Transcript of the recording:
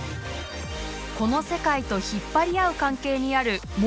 この世界と引っ張り合う関係にあるもう一つの世界。